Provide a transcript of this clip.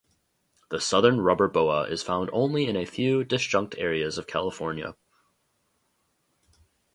The southern rubber boa is found only in a few disjunct areas of California.